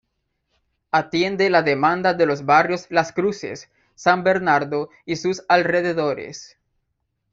Atiende la demanda de los barrios Las Cruces, San Bernardo y sus alrededores.